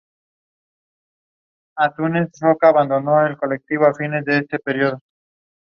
She also challenged the idea of the role of ‘critical periods’ in human development.